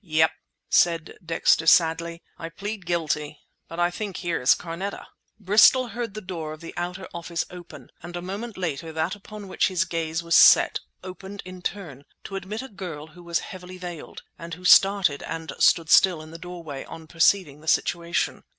"Yep," said Dexter sadly, "I plead guilty, but I think here's Carneta!" Bristol heard the door of the outer office open, and a moment later that upon which his gaze was set opened in turn, to admit a girl who was heavily veiled, and who started and stood still in the doorway, on perceiving the situation.